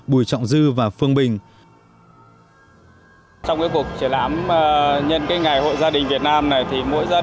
bùi trọng dư và phương bình